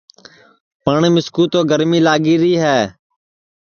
پٹؔ مِسکُو تو گرمی لگی ری ہے